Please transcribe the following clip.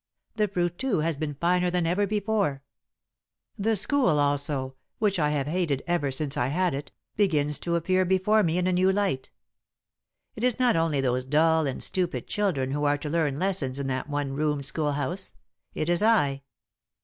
The fruit, too, has been finer than ever before. [Sidenote: Drudgery] "The school, also, which I have hated ever since I had it, begins to appear before me in a new light. It is not only those dull and stupid children who are to learn lessons in that one roomed schoolhouse it is I.